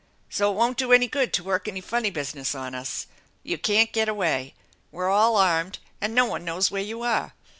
So it won't do any good to work any funny business on us. You can't get away. We're all armed, and no one knows where you are!